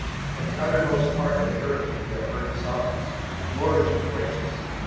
23:024:016 From the uttermost part of the earth have we heard songs, even glory to the righteous.